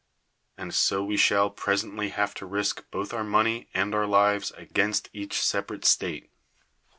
And so we shall presently have to risk both our money and our lives against each separate state.